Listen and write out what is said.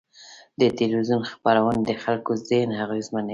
د تلویزیون خپرونې د خلکو ذهن اغېزمنوي.